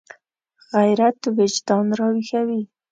غیرت وجدان راویښوي